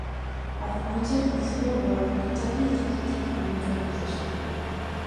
At the outset of the Civil War, Kentucky attempted to take a neutral position.